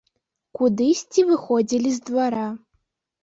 Кудысьці выходзілі з двара.